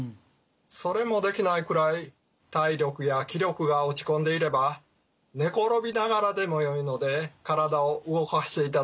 それもできないくらい体力や気力が落ち込んでいれば寝転びながらでもよいので体を動かしていただきたいと思います。